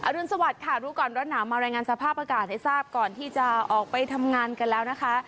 รุนสวัสดิ์ค่ะรู้ก่อนร้อนหนาวมารายงานสภาพอากาศให้ทราบก่อนที่จะออกไปทำงานกันแล้วนะคะ